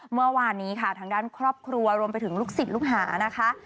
เมื่อวานนี้ค่ะทางด้านครอบครัวรวมไปถึงลูกศิษย์ลูกหานะคะ